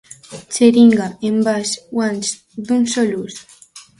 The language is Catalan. Xeringa, envàs, guants, d'un sol ús.